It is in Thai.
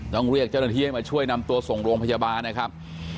ต้องเรียกเจ้าหน้าที่ให้มาช่วยนำตัวส่งโรงพยาบาลนะครับ